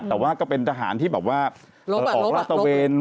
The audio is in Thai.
แต่ว่าก็เป็นทหารที่แบบว่าออกลาดตะเวน